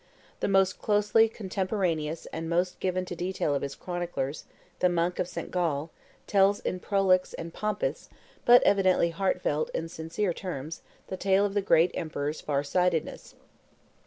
The most closely contemporaneous and most given to detail of his chroniclers, the monk of St. Gall, tells in prolix and pompous, but evidently heartfelt and sincere terms, the tale of the great emperor's far sightedness.